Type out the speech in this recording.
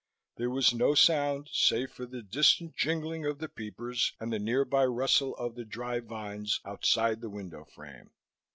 There was no sound save the distant jingling of the peepers and the near by rustle of the dry vines outside the window frame.